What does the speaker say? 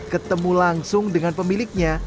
ketemu langsung dengan pemiliknya